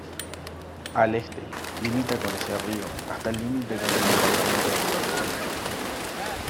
Al este limita con ese río hasta el límite con el departamento Gualeguaychú.